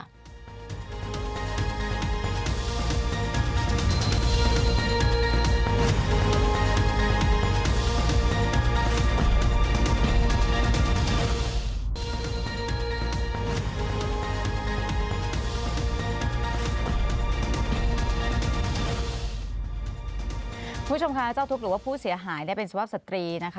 คุณผู้ชมคะเจ้าทุกข์หรือว่าผู้เสียหายเนี่ยเป็นสภาพสตรีนะคะ